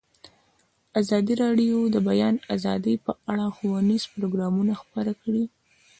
ازادي راډیو د د بیان آزادي په اړه ښوونیز پروګرامونه خپاره کړي.